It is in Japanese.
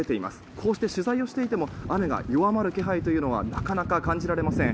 こうして取材をしていても雨が弱まる気配はなかなか感じられません。